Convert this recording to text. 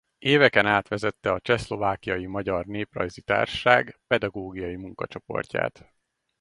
Éveken át vezette a Csehszlovákiai Magyar Néprajzi Társaság Pedagógiai Munkacsoportját.